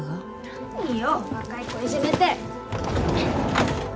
何よ若い子いじめて！